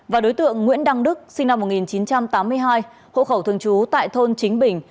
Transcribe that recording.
và đối tượng nguyễn đăng đức sinh năm một nghìn chín trăm tám mươi hai hộ khẩu thường trú tại thôn chính bình